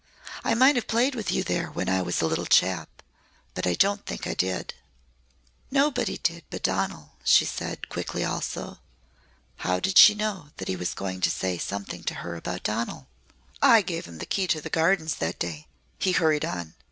I might have played with you there when I was a little chap but I don't think I did." "Nobody did but Donal," she said, quickly also. How did she know that he was going to say something to her about Donal? "I gave him the key to the Gardens that day," he hurried on.